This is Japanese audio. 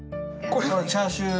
チャーシュー。